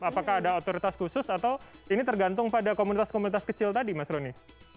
apakah ada otoritas khusus atau ini tergantung pada komunitas komunitas kecil tadi mas roni